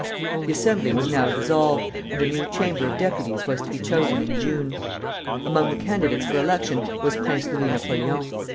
The Assembly was now dissolved, and a new Chamber of Deputies was to be chosen in June. Among the candidates for election was Prince Louis Napoleon.